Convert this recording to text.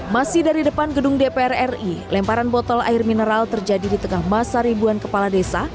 masih dari depan gedung dpr ri lemparan botol air mineral terjadi di tengah masa ribuan kepala desa